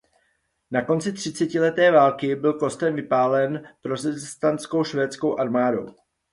Na konci třicetileté války byl kostel vypálen protestantskou švédskou armádou.